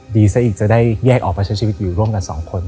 ซะอีกจะได้แยกออกไปใช้ชีวิตอยู่ร่วมกันสองคน